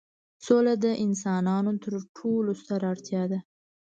سوله د انسانانو تر ټولو ستره اړتیا ده.